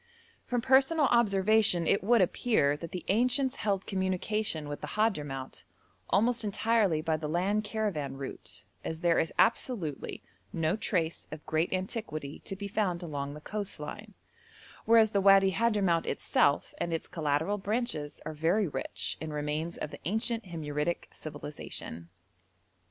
From personal observation it would appear that the ancients held communication with the Hadhramout almost entirely by the land caravan route, as there is absolutely no trace of great antiquity to be found along the coast line, whereas the Wadi Hadhramout itself and its collateral branches are very rich in remains of the ancient Himyaritic civilisation.